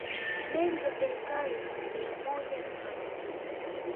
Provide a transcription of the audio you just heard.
Meli za serikali mia moja na tatu tu